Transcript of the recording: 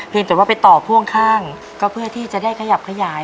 แต่ว่าไปต่อพ่วงข้างก็เพื่อที่จะได้ขยับขยาย